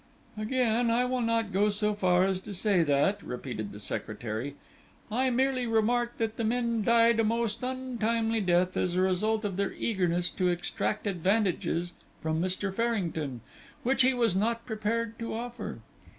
"Again, I will not go so far as to say that," repeated the secretary; "I merely remark that the men died a most untimely death, as a result of their eagerness to extract advantages from Mr. Farrington, which he was not prepared to offer.